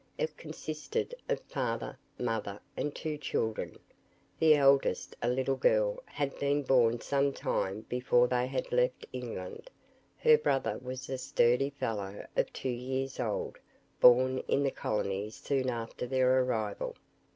It consisted of father, mother, and two children. The eldest, a little, girl, had been born some time before they left England. Her brother was a sturdy fellow of two years old, born in the colonies soon after their arrival.